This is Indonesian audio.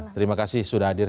terima kasih sudah hadir